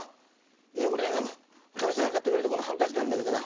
いやこれあのかみさんが買ってくれたこのハンカチなんだけどな。